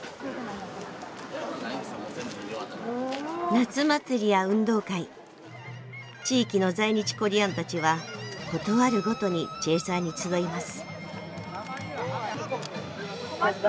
夏祭りや運動会地域の在日コリアンたちはことあるごとにチェーサーに集います。